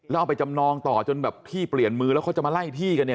แล้วเอาไปจำนองต่อจนแบบที่เปลี่ยนมือแล้วเขาจะมาไล่ที่กันเนี่ย